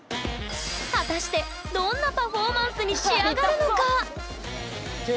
果たしてどんなパフォーマンスに仕上がるのか⁉痛そう。